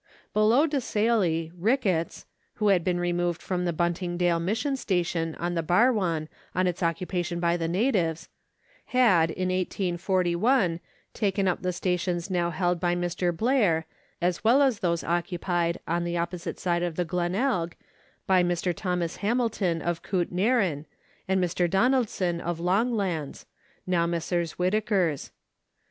Below Desailly, Ricketts (who had been removed from the Buntingdale Mission Station on the Barwon on its occupation by the natives) had in 1841 taken up the stations now held by Mr. Blair, as well as those occupied, on the opposite side of the Glenelg, by Mr. Thomas Hamilton of Koot Narin, and Mr. Donaldson of Longlands, now Messrs. Whittaker's.